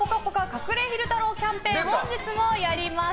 隠れ昼太郎キャンペーン本日もやります。